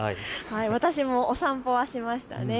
私もお散歩はしました。